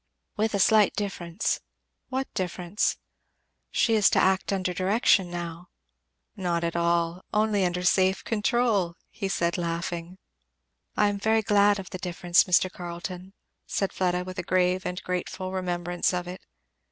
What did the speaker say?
"With a slight difference." "What difference?" "She is to act under direction now." "Not at all only under safe control," he said laughing. "I am very glad of the difference, Mr. Carleton," said Fleda, with a grave and grateful remembrance of it.